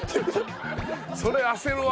それ焦るわ。